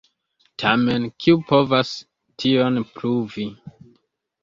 Tamen, kiu povas tion pruvi?